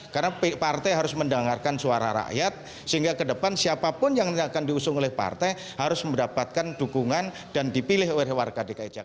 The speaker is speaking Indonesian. karena partai harus mendengarkan suara rakyat sehingga ke depan siapapun yang akan diusung oleh partai harus mendapatkan dukungan dan dipilih oleh warga dki jakarta